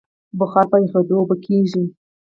بخار په یخېدو اوبه کېږي.